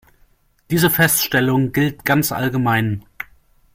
Diese Feststellung gilt ganz allgemein.